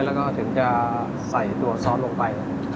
แล้วก็ถึงจะใส่ตัวซอสลงไป